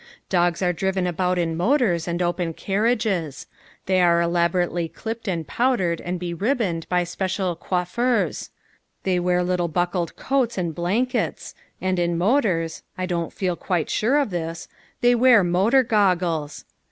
Dogs are driven about in motors and open carriages. They are elaborately clipped and powdered and beribboned by special "coiffeurs." They wear little buckled coats and blankets, and in motors, I don't feel quite sure of this, they wear motor goggles.